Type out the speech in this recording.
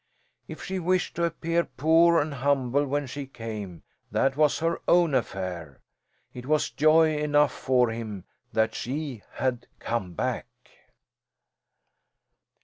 If she wished to appear poor and humble when she came, that was her own affair. It was joy enough for him that she had come back.